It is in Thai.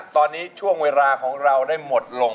ตอนนี้ช่วงเวลาของเราได้หมดลง